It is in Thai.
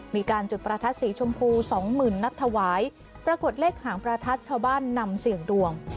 มีการจุดประทัดสีชมพูสองหมื่นนัดถวายปรากฏเลขหางประทัดชาวบ้านนำเสี่ยงดวง